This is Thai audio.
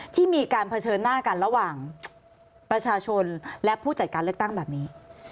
ที่มีการเผชิญหน้ากันระหว่างประชาชนและผู้จัดการเลือกตั้งแบบนี้